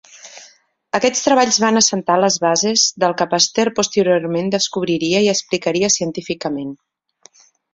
Aquests treballs van assentar les bases del que Pasteur posteriorment descobriria i explicaria científicament.